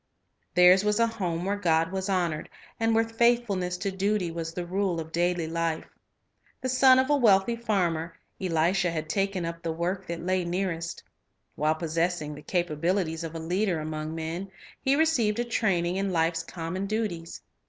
Theirs was a home where God was honored, and where faithfulness to duty was the rule of daily life. The son of a wealthy farmer, Elisha had taken up the work that lay nearest. While possessing the capa bilities of a leader among men, he received a training in life's common duties.